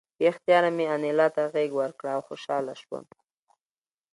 بې اختیاره مې انیلا ته غېږ ورکړه او خوشحاله شوم